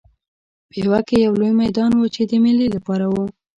پېوه کې یو لوی میدان و چې د مېلې لپاره و.